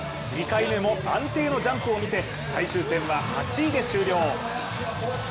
２回目も安定のジャンプを見せ最終戦は８位で終了。